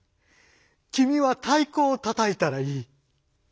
きみは太鼓をたたいたらいい」。